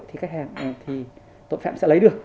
thì khách hàng thì tội phạm sẽ lấy được